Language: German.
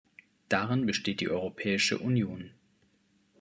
Darin besteht die Europäische Union.